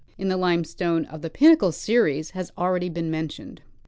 in the limestone of the Pinnacle series has already been mentioned.